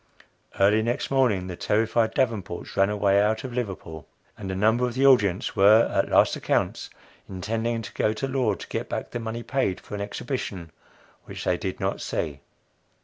Early next morning, the terrified Davenports ran away out of Liverpool; and a number of the audience were, at last accounts, intending to go to law to get back the money paid for an exhibition which they did not see.